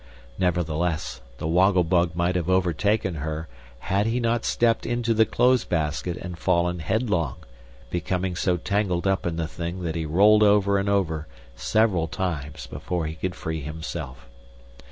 Nevertheless, the Woggle Bug might have overtaken her had he not stepped into the clothes basket and fallen headlong, becoming so tangled up in the thing that he rolled over and over several times before he could free himself.